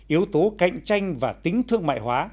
yếu tố cạnh tranh và tính thương mại hóa